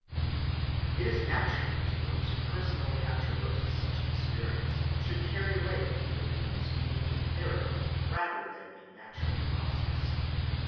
It is natural that those who personally have traversed such an experience should carry away a feeling of its being a miracle rather than a natural process.